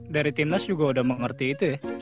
dari timnas juga udah mengerti itu ya